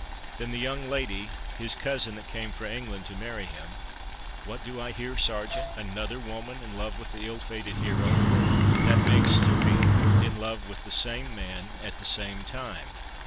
Then the young lady, his cousin that came frae England to marry him—" "What do I hear, Sergeant? Another woman in love with the ill fated hero; that makes three—in love with the same man at the same time.